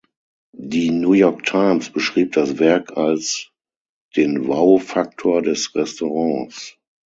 Die New York Times beschrieb das Werk als „den Wow Faktor des Restaurants“.